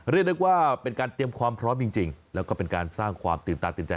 เรียกได้ว่าเป็นการเตรียมความพร้อมจริงแล้วก็เป็นการสร้างความตื่นตาตื่นใจ